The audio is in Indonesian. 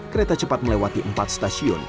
kereta cepat melewati empat stasiun